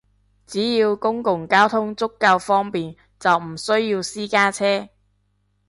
只要公共交通足夠方便，就唔需要私家車